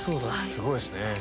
すごいですね。